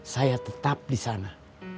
saya tetap disana